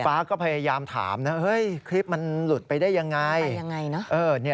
ฟ้าก็พยายามถามนะคลิปนั้นหลุดไปได้ยังไง